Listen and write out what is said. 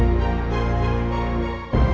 ini selama ber culpa